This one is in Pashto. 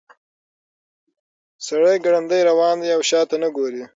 سړی ګړندی روان دی او شاته نه ګوري.